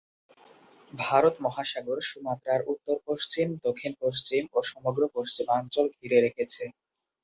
ভারত মহাসাগর সুমাত্রার উত্তর-পশ্চিম, দক্ষিণ-পশ্চিম ও সমগ্র পশ্চিমাঞ্চল ঘিরে রেখেছে।